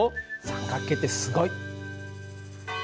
三角形ってすごい！